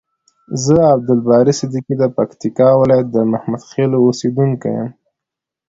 ز عبدالباری صدیقی د پکتیکا ولایت د محمدخیلو اوسیدونکی یم.